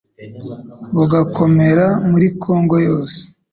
bugakomera muri Congo yose